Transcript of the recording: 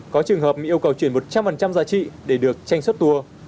có trường hợp yêu cầu chuyển một trăm linh giá trị để được tranh xuất tour